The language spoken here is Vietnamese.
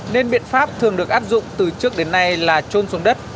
nên biện pháp thường được áp dụng từ trước đến nay là trôn xuống đất